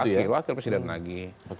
wakil wakil presiden lagi